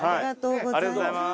ありがとうございます。